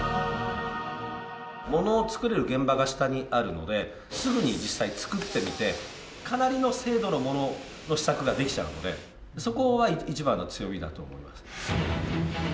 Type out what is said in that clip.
ものを作れる現場が下にあるのですぐに実際作ってみてかなりの精度のものの試作ができちゃうのでそこは一番の強みだと思います。